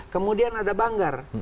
kemudian ada banggar